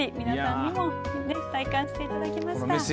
皆さんにも体感していただきました。